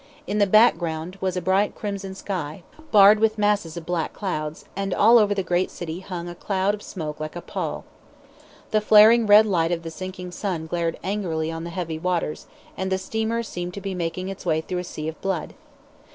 In the background was a bright crimson sky, barred with masses of black clouds, and over all the great city hung a cloud of smoke like a pall. The flaring red light of the sinking sun glared angrily on the heavy waters, and the steamer seemed to be making its way through a sea of blood.